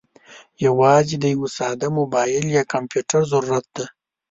یوازې د یوه ساده موبايل یا کمپیوټر ضرورت دی.